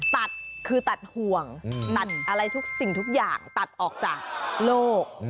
ตัดคือตัดห่วงตัดอะไรทุกสิ่งทุกอย่างตัดออกจากโลก